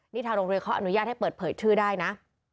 นี่ทางโรงเรียนเขาอนุญาตให้เปิดเผยชื่อได้นะ